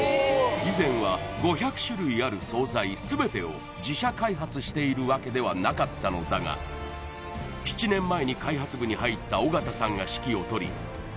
以前は５００種類ある惣菜全てを自社開発しているわけではなかったのだが７年前に開発部に入った緒方さんが指揮を執り